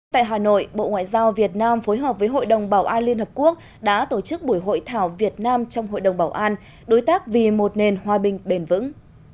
tại hà nội bộ ngoại giao việt nam phối hợp với hội đồng bảo an liên hợp quốc đã tổ chức buổi hội thảo việt nam trong hội đồng bảo an đối tác vì một nền hòa bình bền vững